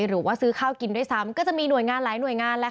หรือว่าซื้อข้าวกินด้วยซ้ำก็จะมีหน่วยงานหลายหน่วยงานแล้ว